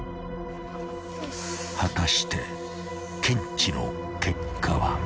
［果たして検知の結果は？］